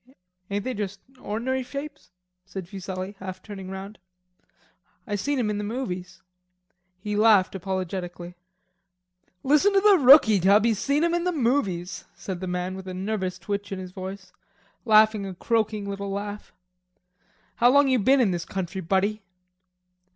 "Ain't they just or'nary shapes?" asked Fuselli, half turning round. "I seen 'em in the movies." He laughed apologetically. "Listen to the rookie, Tub, he's seen 'em in the movies!" said the man with the nervous twitch in his voice, laughing a croaking little laugh. "How long you been in this country, buddy?"